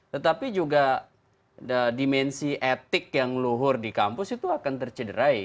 tetapi juga dimensi etik yang luhur di kampus itu akan tercederai